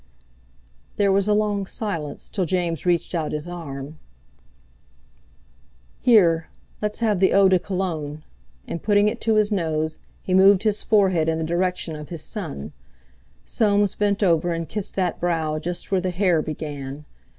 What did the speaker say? There was a long silence, till James reached out his arm. "Here! let's have the eau de Cologne," and, putting it to his nose, he moved his forehead in the direction of his son. Soames bent over and kissed that brow just where the hair began.